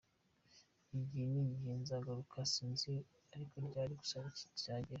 Igihe n’igihe nzagaruka, sinzi ari ryari gusa kizagera.